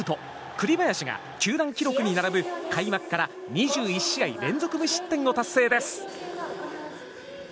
栗林が球団記録に並ぶ開幕から２１試合連続無失点を達成です。